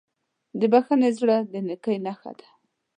د بښنې زړه د نیکۍ نښه ده.